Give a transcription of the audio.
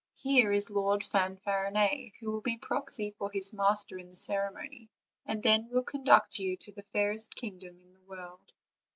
here is Lord Fanfarinet, who will be proxy for his mas ter in the ceremony, and then will conduct you to the fairest kingdom in the world?"